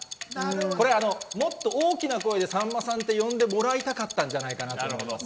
これ、あの、大きい声でさんまさんと呼んでもらいたかったんじゃないかなと。